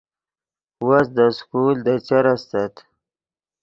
وس دے سکول دے چر استت